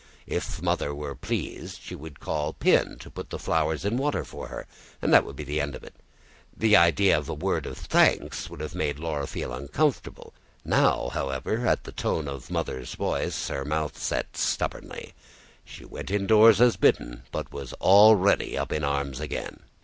If Mother were pleased she would call Pin to put the flowers in water for her, and that would be the end of it. The idea of a word of thanks would have made Laura feel uncomfortable. Now, however, at the tone of Mother's voice, her mouth set stubbornly. She went indoors as bidden, but was already up in arms again.